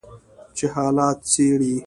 چې حالات څیړي